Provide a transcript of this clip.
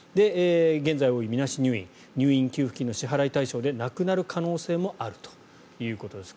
現在多い、みなし入院入院給付金の支払い対象ではなくなる可能性もあるということです。